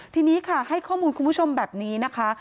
ทีนี้ค่ะให้ข้อมูลคุณผู้ชมแบบนี้นะคะ